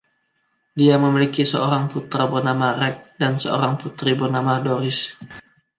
Dia memiliki seorang putra bernama Rex, dan seorang putri bernama Doris.